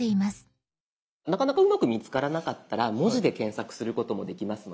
なかなかうまく見つからなかったら文字で検索することもできますので。